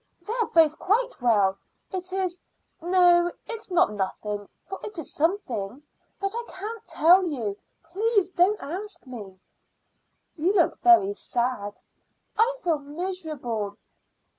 "They are both quite well. It is no, it's not nothing, for it is something; but I can't tell you. Please don't ask me." "You look very sad." "I feel miserable."